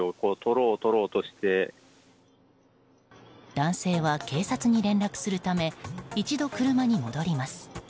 男性は警察に連絡するため一度、車に戻ります。